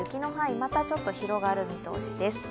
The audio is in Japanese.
またちょっと広がる見通しです。